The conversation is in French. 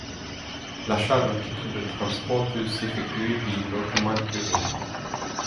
L'achat d'un titre de transport peut s'effectuer via l'automate de vente.